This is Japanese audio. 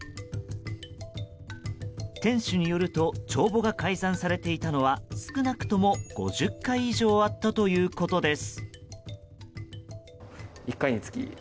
店主によると帳簿が改ざんされていたのは少なくとも５０回以上あったということです。